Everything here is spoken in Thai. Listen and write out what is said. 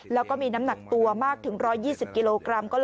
แล้วก็มีน้ำหนักตัวมากถึง๑๒๐กิโลกรัม